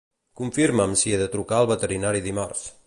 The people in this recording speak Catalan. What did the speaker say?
Confirma'm si he de trucar al veterinari dimarts.